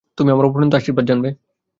তুমি আমার অফুরন্ত আশীর্বাদ জানবে।